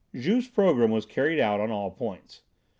Juve's program was carried out in all points.